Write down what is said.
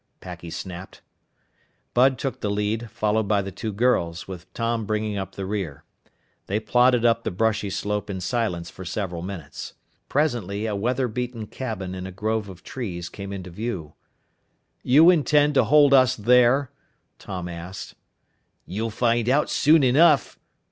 Packy snapped. Bud took the lead, followed by the two girls, with Tom bringing up the rear. They plodded up the brushy slope in silence for several minutes. Presently a weather beaten cabin in a grove of trees came into view. "You intend to hold us there?" Tom asked. "You'll find out soon enough!"